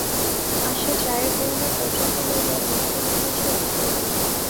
আশা চায়ের পেয়ালা প্রভৃতি লইয়া বিনোদিনীর কাছে উপস্থিত হইল।